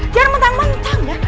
jangan mentang mentang ya